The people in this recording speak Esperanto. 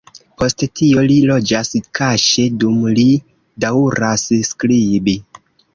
Post tio li loĝas kaŝe dum li daŭras skribi.